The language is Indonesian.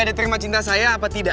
apakah diterima cinta saya apa tidak